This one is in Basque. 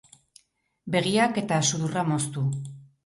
Begiak eta sudurra moztu.